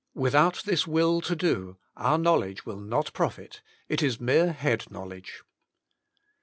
Without this will to do, our knowledge will not profit : it is mere head knowledge.